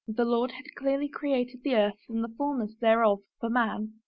The Lord had clearly created the earth and the fullness thereof for man.